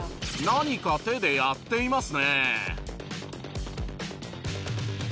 何か手でやっていますね。